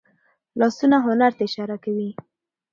لاسونه هنر ته اشاره کوي